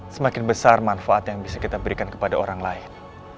semakin besar manfaat yang bisa kita berikan kepada orang lain